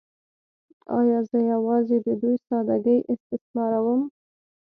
“ایا زه یوازې د دوی ساده ګۍ استثماروم؟